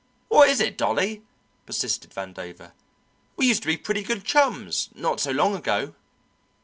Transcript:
"What is it, Dolly?" persisted Vandover. "We used to be pretty good chums, not so long ago."